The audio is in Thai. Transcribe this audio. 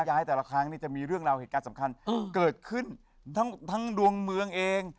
ย้ายแต่ละครั้งจะมีเรื่องราวเหตุการณ์สำคัญเกิดขึ้นทั้งดวงเมืองเอง